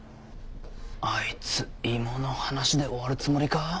あいつ芋の話で終わるつもりか？